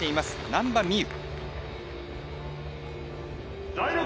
難波実夢。